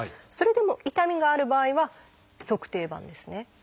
それでも痛みがある場合は足底板ですね。